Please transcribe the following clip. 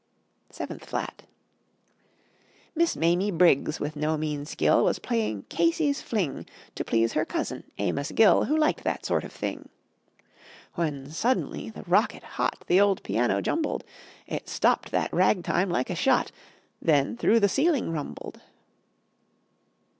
[Illustration: SIXTH FLAT] SEVENTH FLAT Miss Mamie Briggs with no mean skill Was playing "Casey's Fling" To please her cousin, Amos Gill, Who liked that sort of thing, When suddenly the rocket, hot, The old piano jumbled! It stopped that rag time like a shot, Then through the ceiling rumbled.